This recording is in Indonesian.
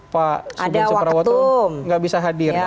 pak sugeng suprawatul tidak bisa hadir